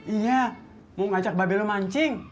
iya mau ngajak babe lo mancing